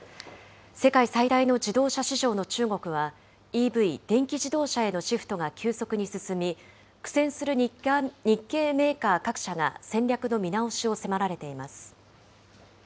世界最大の自動車市場の中国は、ＥＶ・電気自動車へのシフトが急速に進み、苦戦する日系メーカー各社が戦略の見直しを迫られています。